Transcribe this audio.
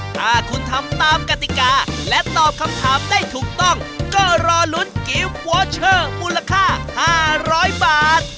ถ้าคุณทำตามกติกาและตอบคำถามได้ถูกต้องก็รอลุ้นกิฟต์วอเชอร์มูลค่า๕๐๐บาท